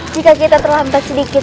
jika kita terlambat sedikit